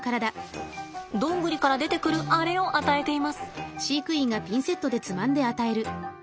どんぐりから出てくるあれを与えています。